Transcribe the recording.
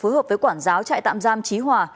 phối hợp với quản giáo trại tạm giam trí hòa